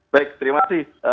baik terima kasih